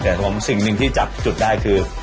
แต่ผมสิ่งหนึ่งที่จับจุดได้คือ